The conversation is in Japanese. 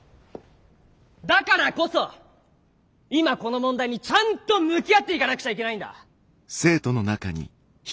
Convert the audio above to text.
だからこそ今この問題にちゃんと向き合っていかなくちゃいけないんだ！